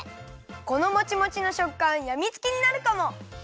このモチモチのしょっかんやみつきになるかも！